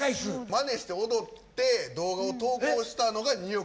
まねして踊って動画を投稿したのが２億。